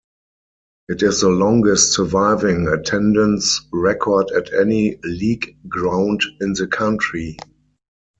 It is the longest surviving attendance record at any league ground in the country.